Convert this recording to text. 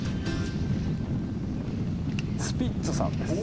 スピッツさんです。